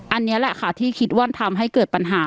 อันนี้แหละค่ะที่คิดว่าทำให้เกิดปัญหา